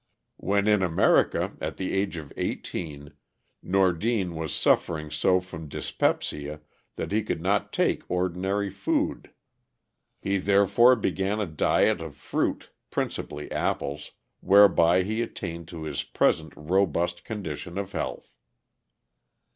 "When in America, at the age of eighteen, Nordin was suffering so from dyspepsia that he could not take ordinary food. He therefore began a diet of fruit, principally apples, whereby he attained to his present robust condition of health."